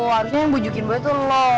harusnya yang bujukin gue tuh lo